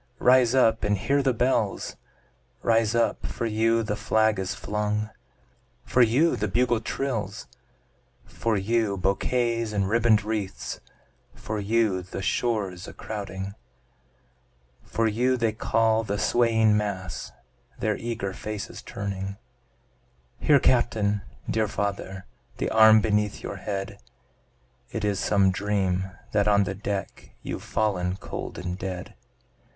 rise up and hear the bells; Rise up for you the flag is flung for you the bugle trills, For you bouquets and ribbon'd wreaths for you the shores a crowding, For you they call, the swaying mass, their eager faces turning; Here Captain! dear father! The arm beneath your head! It is some dream that on the deck, You've fallen cold and dead.